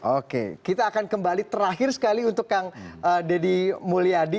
oke kita akan kembali terakhir sekali untuk kang deddy mulyadi